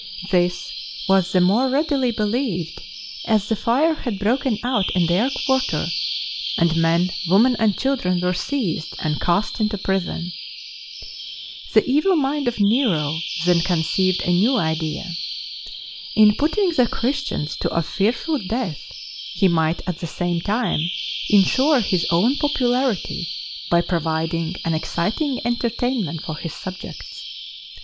This was the more readily believed as the fire had broken out in their quarter, and men, women, and children were seized and cast into prison.' 122 122 LIFE OF ST. PAUL The evil mind of Nero then conceived a new idea. In putting the Christians to a fearful death he might at the same time insure his own popularity by providing an exciting entertainment for his subjects.